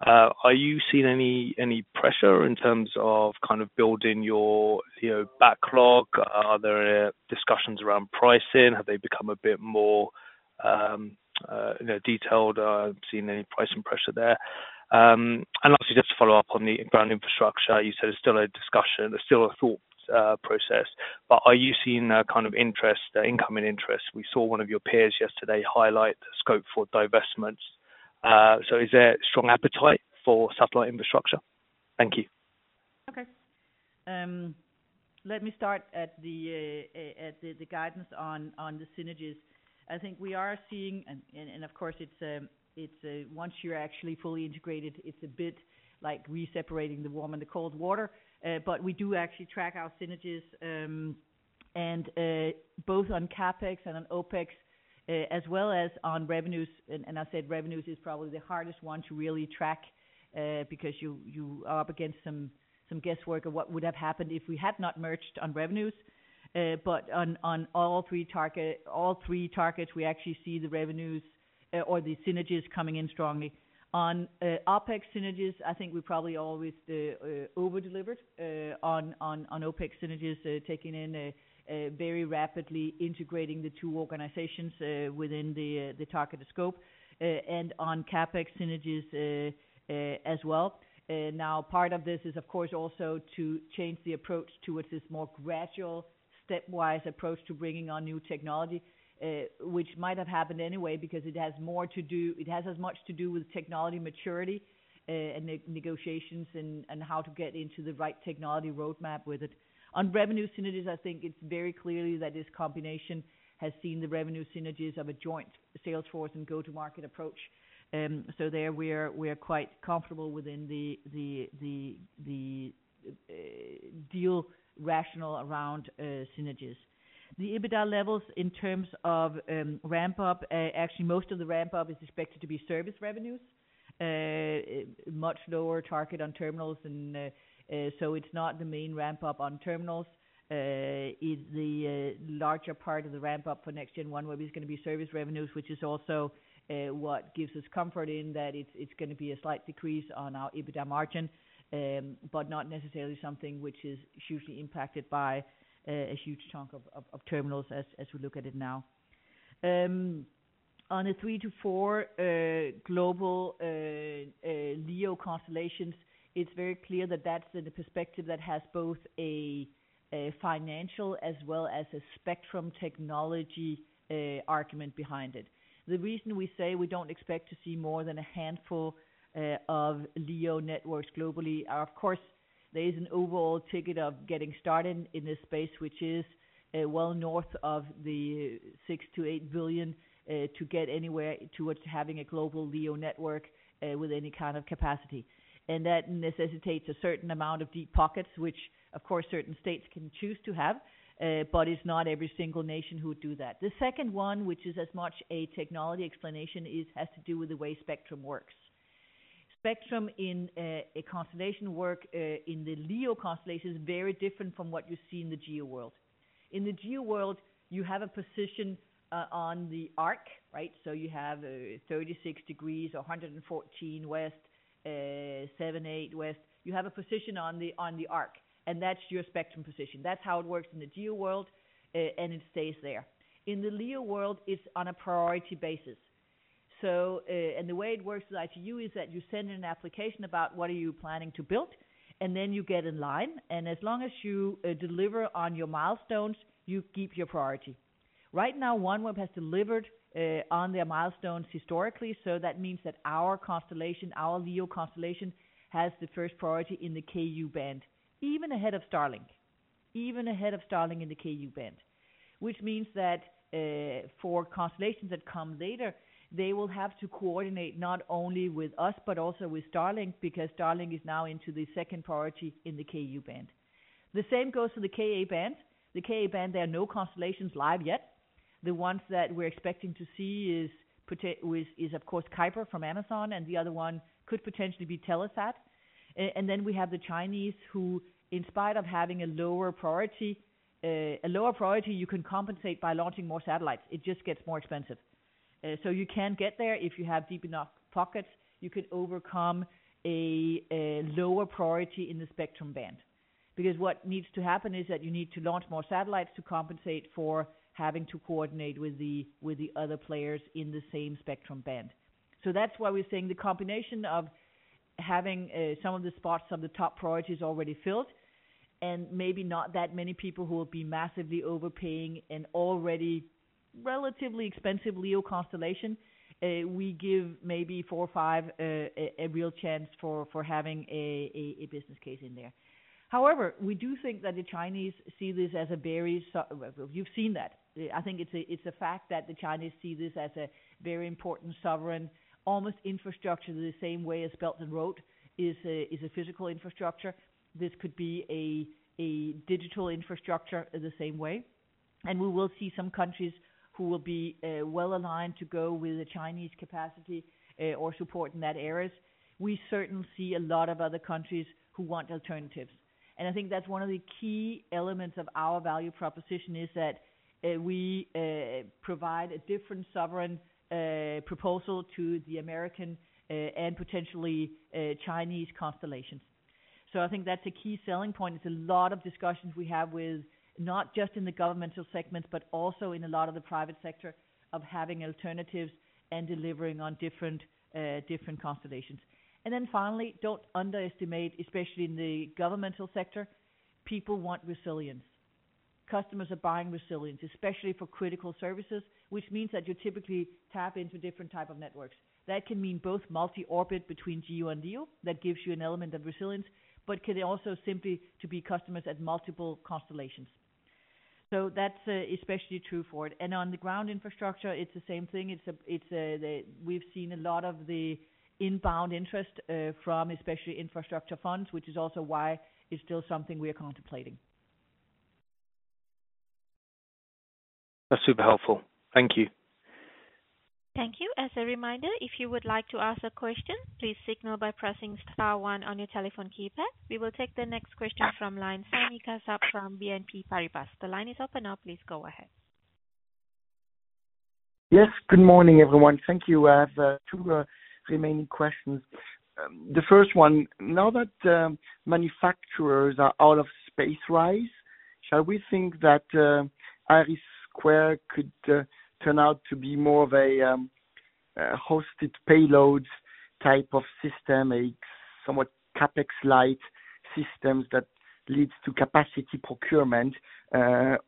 Are you seeing any pressure in terms of kind of building your, you know, backlog? Are there discussions around pricing? Have they become a bit more, you know, detailed, seeing any pricing pressure there? And lastly, just to follow up on the ground infrastructure, you said it's still a discussion, it's still a thought process, but are you seeing a kind of interest, incoming interest? We saw one of your peers yesterday highlight the scope for divestments. So is there strong appetite for satellite infrastructure? Thank you. Okay. Let me start at the guidance on the synergies. I think we are seeing, of course, it's once you're actually fully integrated, it's a bit like reseparating the warm and the cold water. But we do actually track our synergies, and both on CapEx and on OpEx, as well as on revenues. I said revenues is probably the hardest one to really track, because you are up against some guesswork of what would have happened if we had not merged on revenues. But on all three targets, we actually see the revenues or the synergies coming in strongly. On OpEx synergies, I think we probably always over-delivered on OpEx synergies, taking in a very rapidly integrating the two organizations within the targeted scope, and on CapEx synergies as well. Now, part of this is, of course, also to change the approach towards this more gradual stepwise approach to bringing on new technology, which might have happened anyway because it has more to do, it has as much to do with technology maturity, and negotiations and how to get into the right technology roadmap with it. On revenue synergies, I think it's very clearly that this combination has seen the revenue synergies of a joint sales force and go-to-market approach. So there we are, we are quite comfortable within the deal rationale around synergies. The EBITDA levels in terms of, ramp-up, actually, most of the ramp-up is expected to be service revenues, much lower target on terminals and, so it's not the main ramp-up on terminals. It's the, larger part of the ramp-up for next gen OneWeb is gonna be service revenues, which is also, what gives us comfort in, that it's, it's gonna be a slight decrease on our EBITDA margin, but not necessarily something which is hugely impacted by, a huge chunk of terminals as we look at it now. On a three to four global LEO constellations, it's very clear that that's the perspective that has both a, a financial as well as a spectrum technology, argument behind it. The reason we say we don't expect to see more than a handful of LEO networks globally are, of course, there is an overall ticket of getting started in this space, which is well north of 6 billion-8 billion to get anywhere towards having a global LEO network with any kind of capacity. And that necessitates a certain amount of deep pockets, which of course, certain states can choose to have, but it's not every single nation who would do that. The second one, which is as much a technology explanation, has to do with the way spectrum works. Spectrum in a constellation work in the LEO constellation is very different from what you see in the GEO world. In the GEO world, you have a position on the arc, right? So you have, 36 degrees or 114 west, 78 west. You have a position on the, on the arc, and that's your spectrum position. That's how it works in the GEO world, and it stays there. In the LEO world, it's on a priority basis. So, and the way it works at ITU is that you send in an application about what are you planning to build, and then you get in line, and as long as you, deliver on your milestones, you keep your priority. Right now, OneWeb has delivered, on their milestones historically, so that means that our constellation, our LEO constellation, has the first priority in the Ku-band, even ahead of Starlink. Even ahead of Starlink in the Ku-band. Which means that for constellations that come later, they will have to coordinate not only with us but also with Starlink, because Starlink is now into the second priority in the Ku-band. The same goes to the Ka-band. The Ka-band, there are no constellations live yet. The ones that we're expecting to see is of course Kuiper from Amazon, and the other one could potentially be Telesat. And then we have the Chinese, who, in spite of having a lower priority, a lower priority, you can compensate by launching more satellites. It just gets more expensive. So you can get there if you have deep enough pockets, you could overcome a lower priority in the spectrum band. Because what needs to happen is that you need to launch more satellites to compensate for having to coordinate with the, with the other players in the same spectrum band. So that's why we're saying the combination of having some of the spots on the top priorities already filled, and maybe not that many people who will be massively overpaying an already relatively expensive LEO constellation. We give maybe four or five a real chance for having a business case in there. However, we do think that the Chinese see this as a very so- well, you've seen that. I think it's a fact that the Chinese see this as a very important sovereign, almost infrastructure, the same way as Belt and Road is a physical infrastructure. This could be a, a digital infrastructure in the same way, and we will see some countries who will be, well aligned to go with the Chinese capacity, or support in that areas. We certainly see a lot of other countries who want alternatives, and I think that's one of the key elements of our value proposition, is that, we, provide a different sovereign, proposal to the American, and potentially, Chinese constellations. So I think that's a key selling point. It's a lot of discussions we have with not just in the governmental segments, but also in a lot of the private sector, of having alternatives and delivering on different, different constellations. And then finally, don't underestimate, especially in the governmental sector, people want resilience. Customers are buying resilience, especially for critical services, which means that you typically tap into different type of networks. That can mean both multi-orbit between GEO and LEO, that gives you an element of resilience, but can also simply to be customers at multiple constellations. So that's, especially true for it. And on the ground infrastructure, it's the same thing. It's the-- we've seen a lot of the inbound interest from especially infrastructure funds, which is also why it's still something we are contemplating. That's super helpful. Thank you. Thank you. As a reminder, if you would like to ask a question, please signal by pressing star one on your telephone keypad. We will take the next question from line, Sami Kassab from BNP Paribas. The line is open now, please go ahead. Yes, good morning, everyone. Thank you. I have two remaining questions. The first one, now that manufacturers are out of SpaceRISE, shall we think that IRIS² could turn out to be more of a hosted payloads type of system, a somewhat CapEx-lite systems that leads to capacity procurement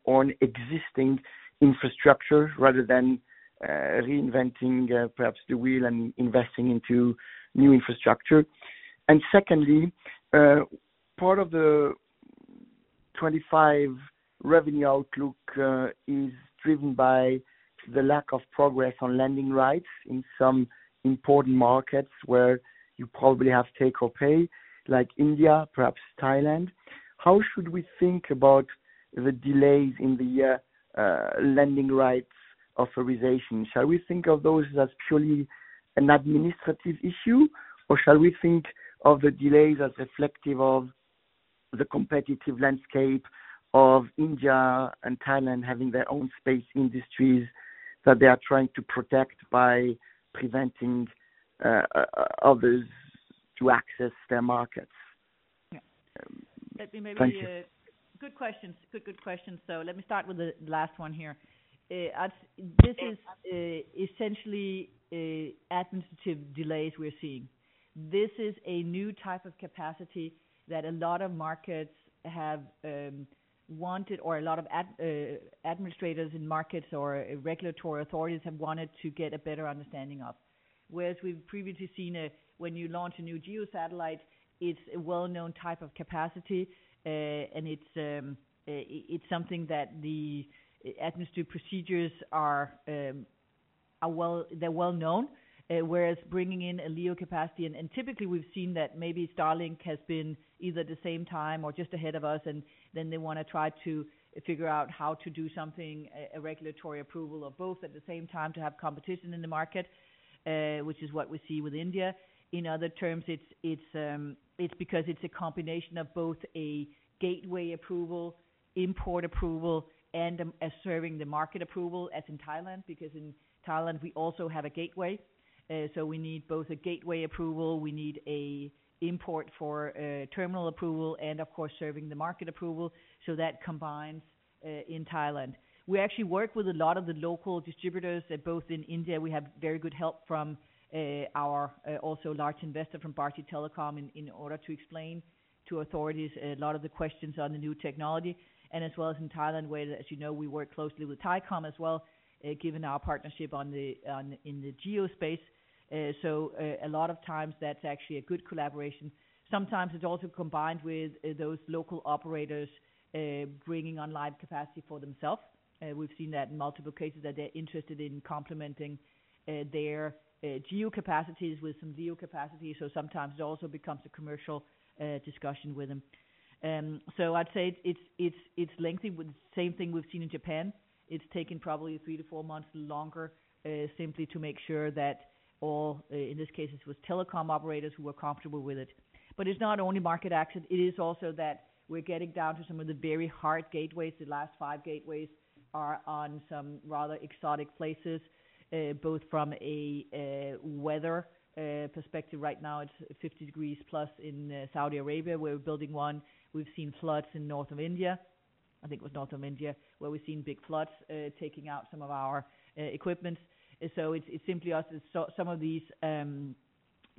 on existing infrastructure, rather than reinventing perhaps the wheel and investing into new infrastructure? And secondly, part of the 2025 revenue outlook is driven by the lack of progress on landing rights in some important markets, where you probably have take or pay, like India, perhaps Thailand. How should we think about the delays in the landing rights authorization? Shall we think of those as purely an administrative issue, or shall we think of the delays as reflective of the competitive landscape of India and Thailand having their own space industries that they are trying to protect by preventing others to access their markets? Thank you. Let me maybe. Good questions. Good, good questions. So let me start with the last one here. This is essentially administrative delays we're seeing. This is a new type of capacity that a lot of markets have wanted, or a lot of administrators in markets or regulatory authorities have wanted to get a better understanding of. Whereas we've previously seen, when you launch a new GEO satellite, it's a well-known type of capacity, and it's something that the administrative procedures are well known, whereas bringing in a LEO capacity, and typically we've seen that maybe Starlink has been either the same time or just ahead of us, and then they wanna try to figure out how to do something, a regulatory approval or both, at the same time, to have competition in the market, which is what we see with India. In other terms, it's because it's a combination of both a gateway approval, import approval, and a serving the market approval, as in Thailand, because in Thailand, we also have a gateway. So we need both a gateway approval, we need an import for terminal approval, and of course, serving the market approval, so that combines in Thailand. We actually work with a lot of the local distributors both in India, we have very good help from our also large investor from Bharti Telecom, in order to explain to authorities a lot of the questions on the new technology, and as well as in Thailand, where, as you know, we work closely with Thaicom as well, given our partnership on the in the GEO space. So a lot of times that's actually a good collaboration. Sometimes it's also combined with those local operators bringing on live capacity for themselves. We've seen that in multiple cases, that they're interested in complementing their GEO capacities with some LEO capacity, so sometimes it also becomes a commercial discussion with them. So I'd say it's lengthy, with the same thing we've seen in Japan. It's taken probably three to four months longer simply to make sure that all, in this case, it was telecom operators who were comfortable with it. But it's not only market access, it is also that we're getting down to some of the very hard gateways. The last 5 gateways are on some rather exotic places, both from a weather perspective. Right now, it's 50 degrees plus in Saudi Arabia, we're building one. We've seen floods in north of India, I think it was north of India, where we've seen big floods, taking out some of our equipment. So it's simply us, so some of these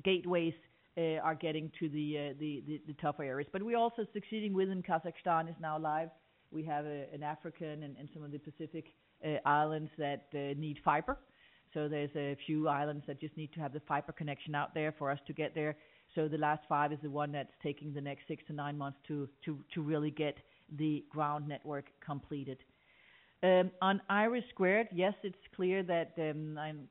gateways are getting to the tougher areas. But we're also succeeding. Within Kazakhstan is now live. We have in Africa and some of the Pacific islands that need fiber. So there's a few islands that just need to have the fiber connection out there for us to get there. So the last five is the one that's taking the next six to nine months to really get the ground network completed. On IRIS², yes, it's clear that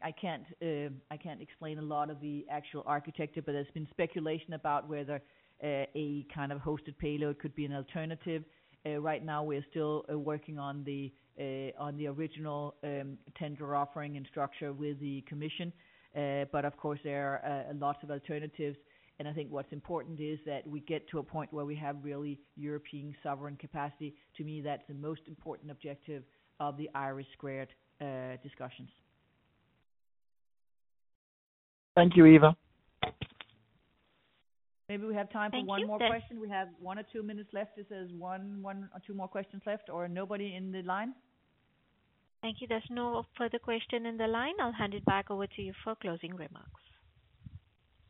I can't explain a lot of the actual architecture, but there's been speculation about whether a kind of hosted payload could be an alternative. Right now, we're still working on the original tender offering and structure with the commission. But of course, there are a lot of alternatives, and I think what's important is that we get to a point where we have really European sovereign capacity. To me, that's the most important objective of the IRIS² discussions. Thank you, Eva. Maybe we have time for one more question. Thank you. We have one or two minutes left. It says one, one or two more questions left, or nobody in the line? Thank you. There's no further question in the line. I'll hand it back over to you for closing remarks.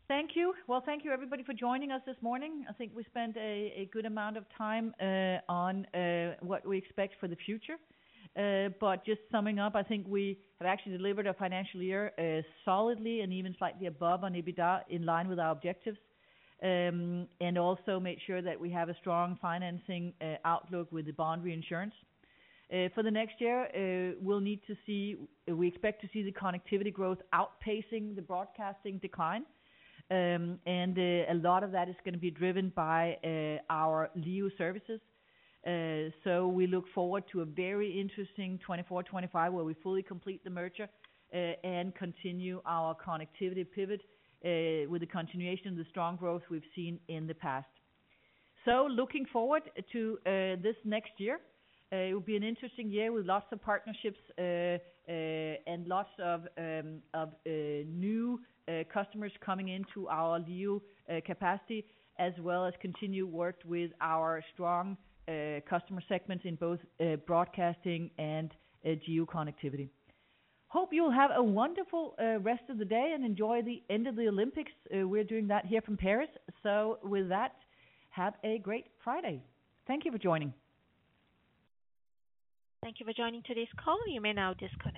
Thank you. Well, thank you, everybody, for joining us this morning. I think we spent a good amount of time on what we expect for the future. But just summing up, I think we have actually delivered a financial year solidly and even slightly above on EBITDA, in line with our objectives. And also made sure that we have a strong financing outlook with the bond reinsurance. For the next year, we'll need to see. We expect to see the connectivity growth outpacing the broadcasting decline. And a lot of that is gonna be driven by our LEO services. So we look forward to a very interesting 2024, 2025, where we fully complete the merger and continue our connectivity pivot with the continuation of the strong growth we've seen in the past. Looking forward to this next year, it will be an interesting year with lots of partnerships, and lots of new customers coming into our LEO capacity, as well as continue work with our strong customer segments in both broadcasting and GEO connectivity. Hope you'll have a wonderful rest of the day, and enjoy the end of the Olympics. We're doing that here from Paris, so with that, have a great Friday. Thank you for joining. Thank you for joining today's call. You may now disconnect.